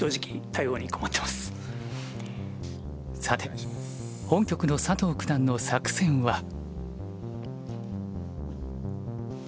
さて本局の佐藤九段の作戦は。